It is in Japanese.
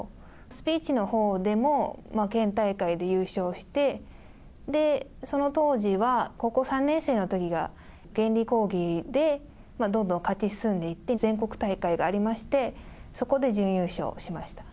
スピーチのほうでも、県大会で優勝して、で、その当時は、高校３年生のときが原理講義でどんどん勝ち進んでいって、全国大会がありまして、そこで準優勝しました。